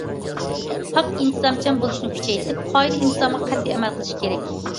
پاك، ئىنتىزامچان بولۇشنى كۈچەيتىپ، قائىدە، ئىنتىزامغا قەتئىي ئەمەل قىلىش كېرەك.